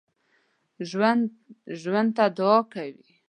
ژوندي ژوند ته دعا کوي